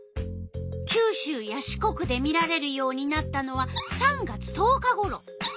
九州や四国で見られるようになったのは３月１０日ごろ。